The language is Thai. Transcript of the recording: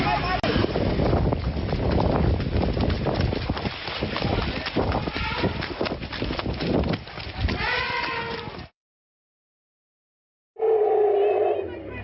อดหน้ากุลลาเหมาะและเผย้อน